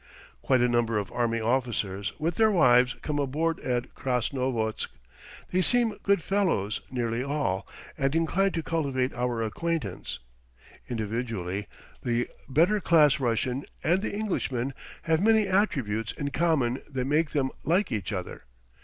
Quite a number of army officers, with their wives, come aboard at Krasnovodsk. They seem good fellows, nearly all, and inclined to cultivate our acquaintance. Individually, the better class Russian and the Englishman have many attributes in common that make them like each other.